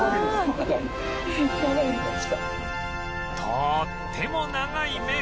とーっても長い麺